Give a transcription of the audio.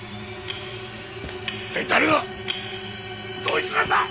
どいつなんだ！？